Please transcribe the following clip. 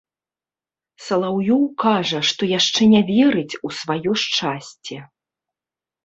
Салаўёў кажа, што яшчэ не верыць у сваё шчасце.